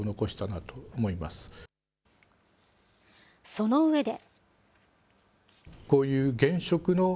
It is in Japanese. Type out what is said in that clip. その上で。